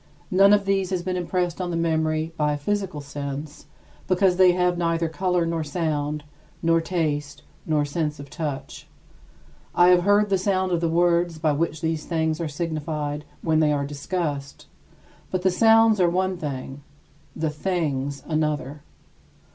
None of these has been impressed on the memory by a physical sense, because they have neither color nor sound, nor taste, nor sense of touch. I have heard the sound of the words by which these things are signified when they are discussed: but the sounds are one thing, the things another.